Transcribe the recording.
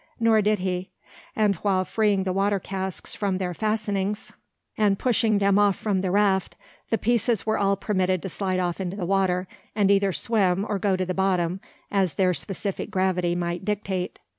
Nor did he; and while freeing the water casks from their fastenings, and pushing them off from the raft, the pieces were all permitted to slide off into the water, and either swim or go to the bottom, as their specific gravity might dictate.